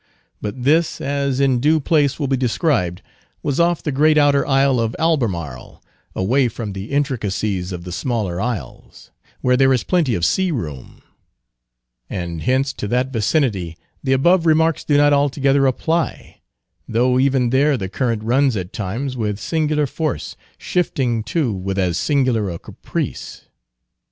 But this, as in due place will be described, was off the great outer isle of Albemarle, away from the intricacies of the smaller isles, where there is plenty of sea room; and hence, to that vicinity, the above remarks do not altogether apply; though even there the current runs at times with singular force, shifting, too, with as singular a caprice.